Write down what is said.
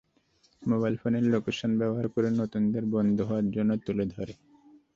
Mobile ফোনের location ব্যবহার করে নতুনদের বন্ধু হওয়ার জন্য তুলে ধরে।